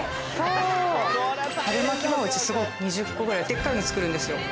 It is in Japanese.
春巻きもうちすごい２０個ぐらいデッカいの作るんですよ。